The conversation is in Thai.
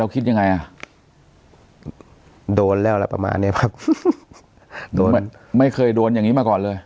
คิดยังไงโดนแล้วะประมาณเนี้ยโดนไม่เคยโดนละยังงี้มาก่อนเลย